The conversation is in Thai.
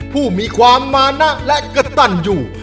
ผู้มีความมานะและกระตันอยู่